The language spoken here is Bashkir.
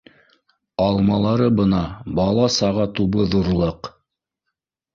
Алмалары бына бала-саға тубы ҙурлыҡ